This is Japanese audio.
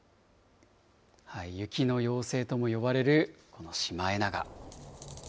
雪の妖精とも呼ばれるこのシマエナガ。